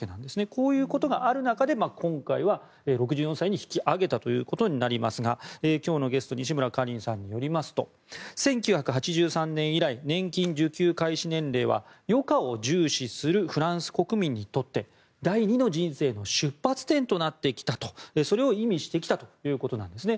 こういうことがある中で今回は６４歳に引き上げたということになりますが今日のゲスト西村カリンさんによりますと１９８３年以来年金受給開始年齢は余暇を重視するフランス国民にとって第二の人生の出発点となってきたとそれを意味してきたということなんですね。